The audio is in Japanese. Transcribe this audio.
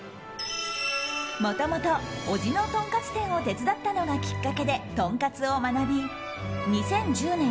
もともと、叔父のとんかつ店を手伝ったのがきっかけで、とんかつを学び２０１０年